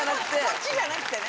そっちじゃなくてね。